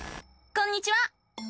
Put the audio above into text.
こんにちは！